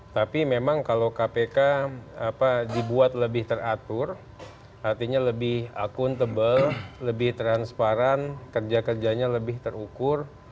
tapi memang kalau kpk dibuat lebih teratur artinya lebih akuntabel lebih transparan kerja kerjanya lebih terukur